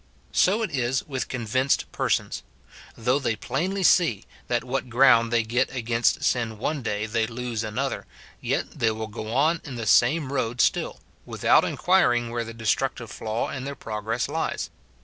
So it is with convinced persons ; though they plainly see, that what ground they get against sin one day they lose another, yet they will go on in the same road still, with out inquiring where the destructive flaw in their progress lies.